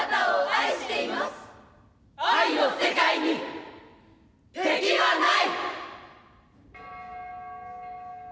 愛の世界に敵はない。